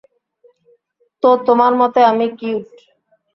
তো তোমার মতে আমি কিউট।